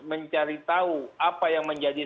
mencari tahu apa yang menjadi